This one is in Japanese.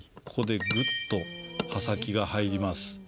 ここでグッと刃先が入ります。